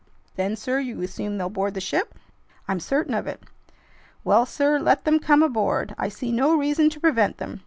"Then, sir, you assume they'll board the ship?" "I'm certain of it." "Well, sir, let them come aboard. I see no reason to prevent them.